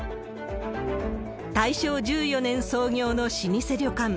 大正１４年創業の老舗旅館。